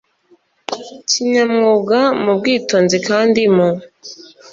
kinyamwuga mu bwitonzi kandi mu